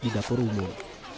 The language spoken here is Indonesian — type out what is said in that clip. di dapur umum